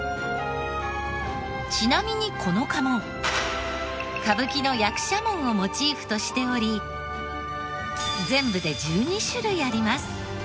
ちなみにこの家紋歌舞伎の役者紋をモチーフとしており全部で１２種類あります。